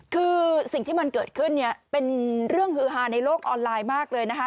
คือสิ่งที่มันเกิดขึ้นเนี่ยเป็นเรื่องฮือฮาในโลกออนไลน์มากเลยนะคะ